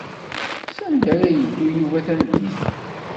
Sanda ara yeddu Yuba tameddit-a?